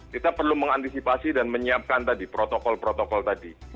kita perlu mengantisipasi dan menyiapkan tadi protokol protokol tadi